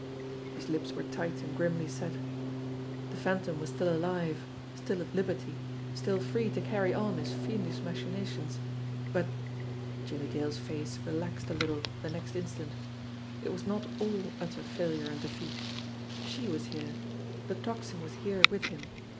His lips were tight and grimly set. The Phantom was still alive, still at liberty, still free to carry on his fiendish machinations! But Jim mie Dale's face relaxed a little the next instant it was not 156 JIMMIE DALE AND THE PHANTOM CLUE all utter failure and defeat. She was here ! The Tocsin was here with him.